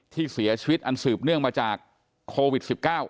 ที่เสียชีวิตอันสืบเนื่องมาจากโควิด๑๙